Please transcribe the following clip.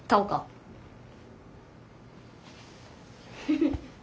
フフッ。